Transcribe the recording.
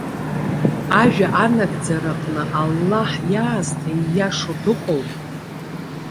Ажәа анагӡара аҟны Аллаҳ иаасҭа ииашоу дыҟоума?